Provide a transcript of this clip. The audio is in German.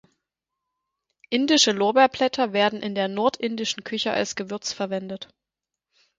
Indische Lorbeerblätter werden in der nordindischen Küche als Gewürz verwendet.